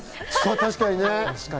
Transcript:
確かにね。